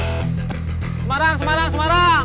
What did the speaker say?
semarang semarang semarang